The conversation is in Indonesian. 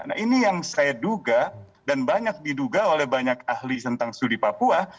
nah ini yang saya duga dan banyak diduga oleh banyak ahli tentang studi papua